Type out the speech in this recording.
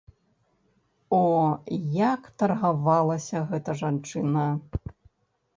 О, як таргавалася гэта жанчына!